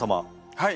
はい。